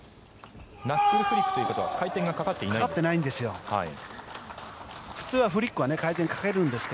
ナックルフリックということは回転がかかっていないんですか？